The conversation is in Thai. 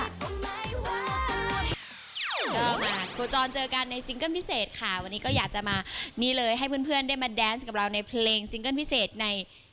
ก็มาโคจรเจอกันในซิงเกิ้ลพิเศษค่ะวันนี้ก็อยากจะมานี่เลยให้เพื่อนได้มาแดนส์กับเราในเพลงซิงเกิ้ลพิเศษใน